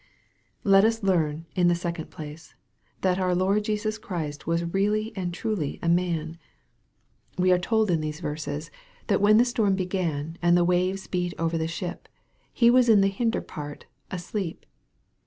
Let us learn, in the second place, that our Lord Jesus Christ was really and truly man. We are told in these 84 EXPOSITORY THOUGHTS. verses, that when the storm began, and the waves beat over the ship, he was in the hinder part " asleep."